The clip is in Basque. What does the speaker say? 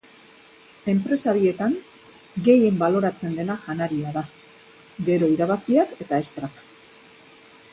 Enpresa bietan gehien baloratzen dena janaria da, gero irabaziak eta extrak.